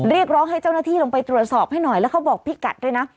เรียกร้องให้เจ้าหน้าที่ลงไปตรวจสอบให้หน่อยแล้วเขาบอกพี่กัดด้วยนะ